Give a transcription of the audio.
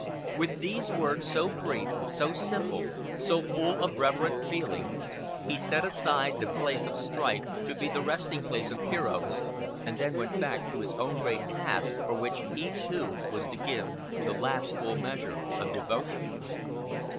With these words, so brief, so simple, so full of reverent feeling, he set aside the place of strife to be the resting place of heroes, and then went back to his own great task for which he, too, was to give "the last full measure of devotion."